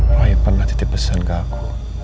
raya pernah titip pesan ke aku